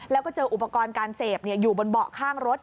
แล้วก็เจออุปกรณ์การเสพอยู่บนเบาะข้างรถ